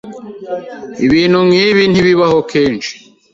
Ibintu nkibi ntibibaho kenshi.